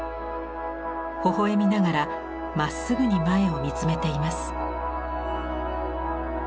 ほほ笑みながらまっすぐに前を見つめています。